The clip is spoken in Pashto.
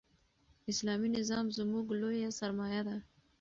اسلامي نظام زموږ لویه سرمایه ده.